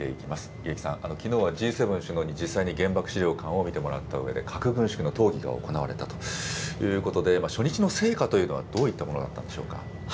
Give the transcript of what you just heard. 家喜さん、きのうはＧ７首脳に実際に原爆資料館を見てもらったうえで、核軍縮の討議が行われたということで、初日の成果というのはどういったものだったのでしょうか。